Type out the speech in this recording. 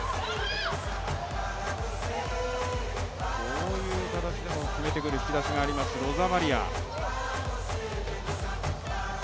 こういう形でも決めてくる引き出しがあります、ロザマリア。